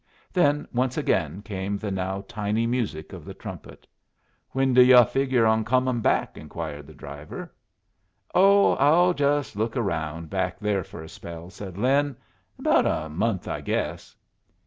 Then once again came the now tiny music of the trumpet. "When do yu' figure on comin' back?" inquired the driver. "Oh, I'll just look around back there for a spell," said Lin. "About a month, I guess."